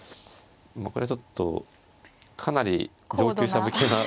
これはちょっとかなり上級者向けな。